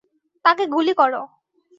তাকে গুলি কর!